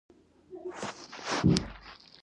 دا چارې باید قانوني پړاونه ووهي.